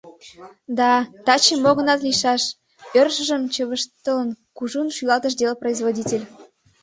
— Да-а, таче мо-гынат лийшаш, — ӧрышыжым чывыштылын, кужун шӱлалтыш делопроизводитель.